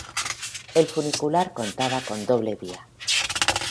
El funicular contaba con doble vía.